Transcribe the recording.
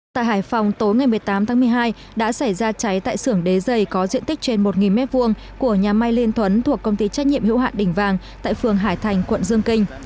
tại hải phòng tối ngày một mươi tám tháng một mươi hai đã xảy ra cháy tại sưởng đế dày có diện tích trên một m hai của nhà may liên thuấn thuộc công ty trách nhiệm hữu hạn đỉnh vàng tại phường hải thành quận dương kinh